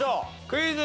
クイズ。